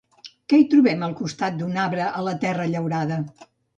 Què hi trobem al costat d'un arbre a La terra llaurada?